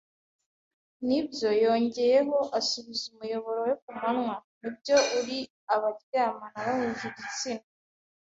ni byo? ” yongeyeho, asubiza umuyoboro we ku munwa. “Nibyo, uri abaryamana bahuje igitsina